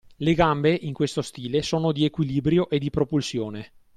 Le gambe in questo stile sono di “equilibrio” e di propulsione